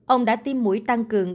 ông đã tiêm mũi tăng cường